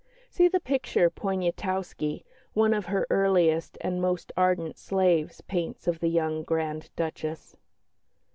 See the picture Poniatowski, one of her earliest and most ardent slaves, paints of the young Grand Duchess.